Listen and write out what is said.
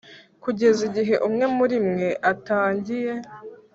kugeza igihe umwe muri mwe atagiye.